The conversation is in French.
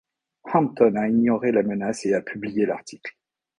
Hampton a ignoré la menace et a publié l'article.